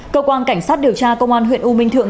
cơ quan cảnh sát điều tra công an huyện u minh thượng